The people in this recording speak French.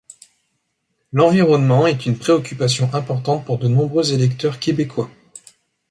L'environnement est une préoccupation importante pour de nombreux électeurs québécois.